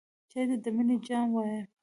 چای ته د مینې جام وایم.